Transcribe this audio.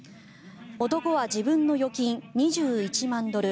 男は自分の預金、２１万ドル